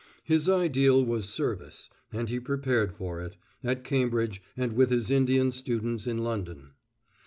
His ideal was service, and he prepared for it at Cambridge, and with his Indian students in London.